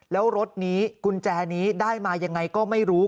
แล้วรถนี้กุญแจนี้ได้มายังไงก็ไม่รู้